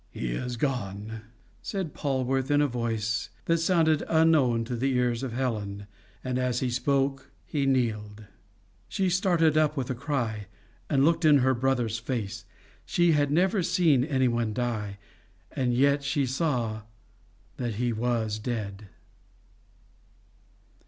"He is gone," said Polwarth in a voice that sounded unknown to the ears of Helen, and as he spoke he kneeled. She started up with a cry, and looked in her brother's face. She had never seen anyone die, and yet she saw that he was dead.